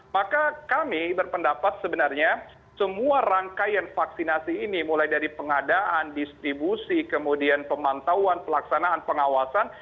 maka kami berpendapat sebenarnya semua rangkaian vaksinasi ini mulai dari pengadaan distribusi kemudian pemantauan pelaksanaan pengawasan